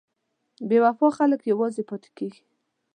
بې وفا خلک یوازې پاتې کېږي.